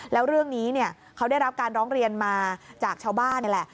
แล้วเรื่องนี้เขาได้รับการร้องเรียนมาจากชาวบ้านนี่แหละ